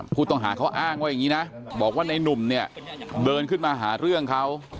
ผู้ต้องหาเขาอ้างว่าอย่างนี้นะบอกว่าในนุ่มเนี่ยเดินขึ้นมาหาเรื่องเขา